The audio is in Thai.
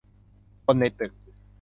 คนในตึก